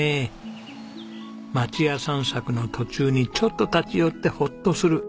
町家散策の途中にちょっと立ち寄ってほっとする。